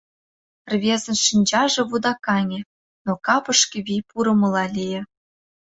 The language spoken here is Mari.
Рвезын шинчаже вудакаҥе, но капышке вий пурымыла лие.